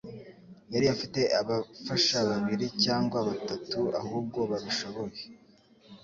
Yari afite abafasha babiri cyangwa batatu ahubwo babishoboye